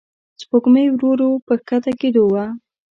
سپوږمۍ ورو ورو په کښته کېدو وه.